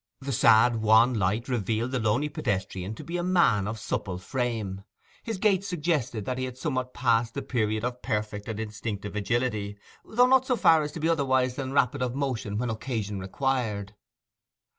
The sad wan light revealed the lonely pedestrian to be a man of supple frame; his gait suggested that he had somewhat passed the period of perfect and instinctive agility, though not so far as to be otherwise than rapid of motion when occasion required.